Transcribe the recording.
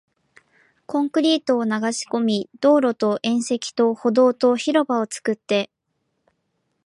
コンクリートを流し込み、道路と縁石と歩道と広場を作って